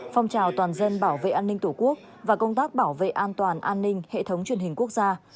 phong trào toàn dân bảo vệ an ninh tổ quốc và công tác bảo vệ an toàn an ninh hệ thống truyền hình quốc gia